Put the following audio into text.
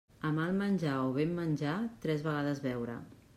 A mal menjar o ben menjar, tres vegades beure.